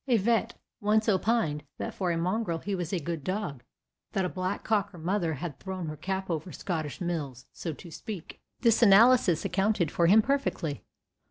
A vet. once opined that for a mongrel he was a good dog, that a black cocker mother had thrown her cap over Scottish mills, so to speak. This analysis accounted for him perfectly.